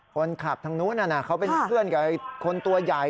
คนขับทางนู้นเขาเป็นเพื่อนกับคนตัวใหญ่